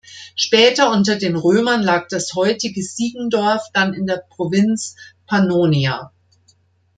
Später unter den Römern lag das heutige Siegendorf dann in der Provinz Pannonia.